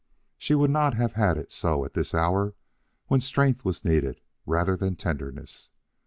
She would not have had it so at this hour when strength was needed rather than tenderness.